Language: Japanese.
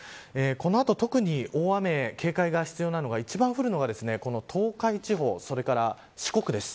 この後、特に大雨に警戒が必要なのが一番降るのが東海地方それから四国です。